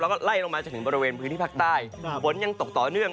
แล้วก็ไล่ลงมาจนถึงบริเวณพื้นที่ภาคใต้ฝนยังตกต่อเนื่อง